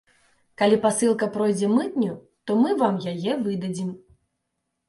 Калі пасылка пройдзе мытню, то мы вам яе выдадзім.